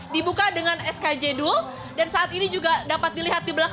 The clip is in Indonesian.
dibuka dengan skj duo dan saat ini juga dapat dilihat di belakang